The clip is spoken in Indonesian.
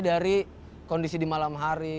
dari kondisi di malam hari